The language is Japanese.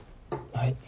はい。